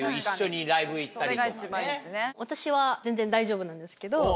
私は全然大丈夫なんですけど。